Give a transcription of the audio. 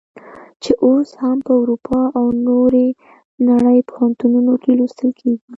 چې اوس هم په اروپا او نورې نړۍ پوهنتونونو کې لوستل کیږي.